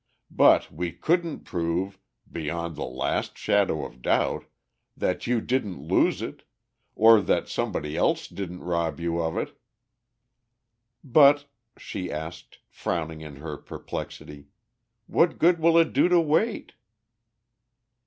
But we couldn't prove, beyond the last shadow of doubt, that you didn't lose it, or that somebody else didn't rob you of it." "But," she asked, frowning in her perplexity, "what good will it do to wait?"